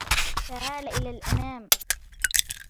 تعالَ إلى الأمام.